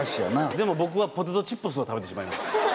でも僕はポテトチップスを食べてしまいます。